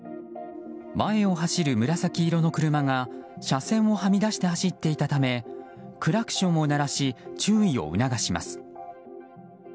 前を走る紫色の車が車線をはみ出して走っていたためクラクションを鳴らし注意を促します。